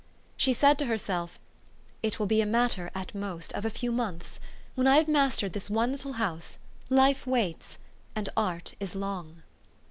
She said to herself, "It will be a matter, at most, of a few months. When I have mastered this one little house, life waits; and art is long."